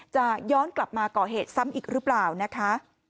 จะย้อนกลับมาก่อเหตุซ้ำอีกหรือเปล่านะคะ